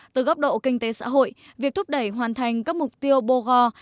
từ góc độ kinh tế xã hội việc thúc đẩy hoàn thành các mục tiêu bồ gò